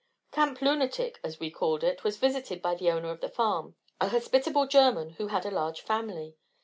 Camp Lunatic, as we called it was visited by the owner of the farm, a hospitable German, who had a large family.